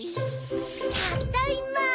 ただいま！